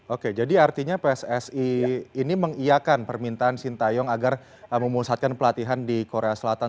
oke jadi artinya pssi ini mengiakan permintaan sintayong agar memusatkan pelatihan di korea selatan